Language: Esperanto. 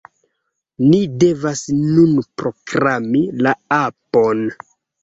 Ni devas nun programi la apon